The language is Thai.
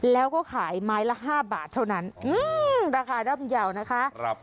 แล้วก็ขายไม้ละ๕บาทเท่านั้นราคาร่ำเยาว์นะคะ